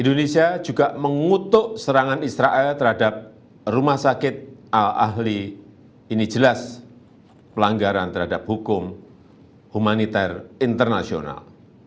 indonesia juga mengutuk serangan israel terhadap rumah sakit al ahli ini jelas pelanggaran terhadap hukum humaniter internasional